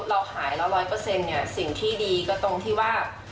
เราหายแล้วร้อยเปอร์เซ็นต์เนี่ยสิ่งที่ดีก็ตรงที่ว่า